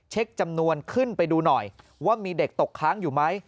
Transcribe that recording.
จำนวนขึ้นไปดูหน่อยว่ามีเด็กตกค้างอยู่ไหม